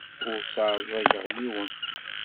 Ur sseɛẓageɣ yiwen.